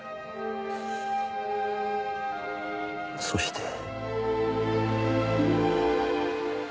そして。